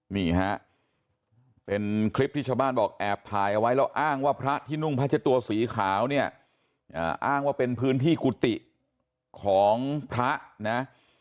นี่ฮะเป็นคลิปที่ชาวบ้านบอกแอบถ่ายเอาไว้แล้วอ้างว่าพระที่นุ่งพระเจ้าตัวสีขาวเนี่ยอ้างว่าเป็นพื้นที่กุฏิของพระนะ